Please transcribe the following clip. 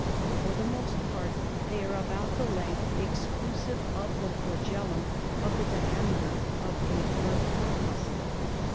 For the most part they are about the length, exclusive of the flagellum, of the diameter of a blood corpuscle.